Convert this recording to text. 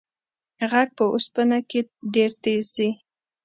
غږ په اوسپنه کې ډېر تېز ځي.